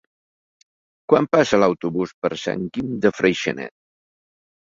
Quan passa l'autobús per Sant Guim de Freixenet?